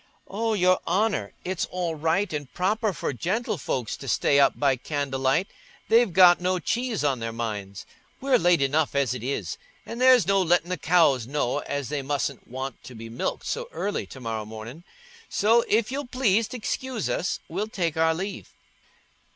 "Oh, Your Honour, it's all right and proper for gentlefolks to stay up by candlelight—they've got no cheese on their minds. We're late enough as it is, an' there's no lettin' the cows know as they mustn't want to be milked so early to morrow mornin'. So, if you'll please t' excuse us, we'll take our leave."